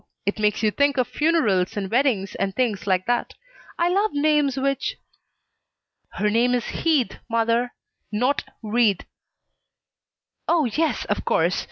It makes you think of funerals and weddings and things like that. I love names which " "Her name is Heath, mother! Not Wreath." "Oh yes of course!